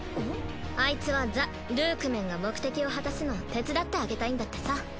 あいつはザ・ルークメンが目的を果たすのを手伝ってあげたいんだってさ。